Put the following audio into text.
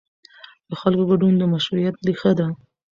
د خلکو ګډون د مشروعیت ریښه ده